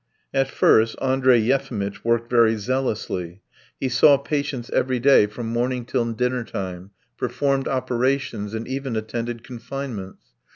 .." At first Andrey Yefimitch worked very zealously. He saw patients every day from morning till dinner time, performed operations, and even attended confinements.